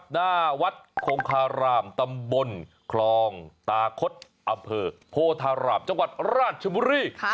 หน้าวัดคงคารามตำบลคลองตาคดอำเภอโพธารามจังหวัดราชบุรี